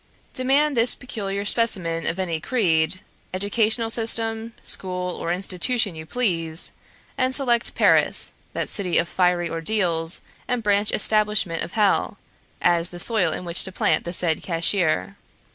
Demand this peculiar specimen of any creed, educational system, school, or institution you please, and select Paris, that city of fiery ordeals and branch establishment of hell, as the soil in which to plant the said cashier.